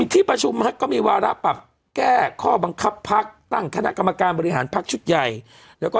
ที่ประชุมก็มีวารักปรับแก้ข้อบังคับพรรค